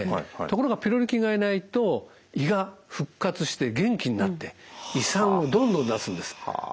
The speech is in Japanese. ところがピロリ菌がいないと胃が復活して元気になって胃酸をどんどん出すんです。